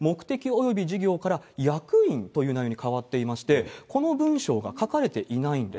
目的および事業から役員という内容に変わっていまして、この文章が書かれていないんです。